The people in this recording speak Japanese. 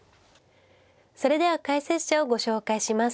それでは解説者をご紹介します。